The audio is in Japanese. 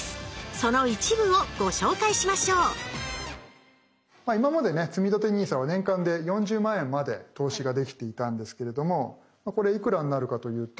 その一部をご紹介しましょう今までねつみたてＮＩＳＡは年間で４０万円まで投資ができていたんですけれどもこれいくらになるかというと。